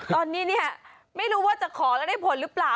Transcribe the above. ตอนนี้เนี่ยไม่รู้ว่าจะขอแล้วได้ผลหรือเปล่า